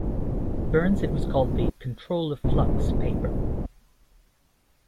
Burns it was called the "Control of Flux" paper.